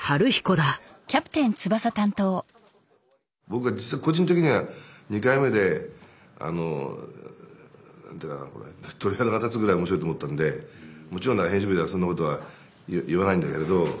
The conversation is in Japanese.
僕は実は個人的には２回目であの鳥肌が立つぐらい面白いと思ったんでもちろん編集部ではそんなことは言わないんだけれど。